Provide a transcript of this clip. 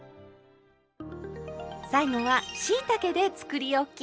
最後はしいたけでつくりおき。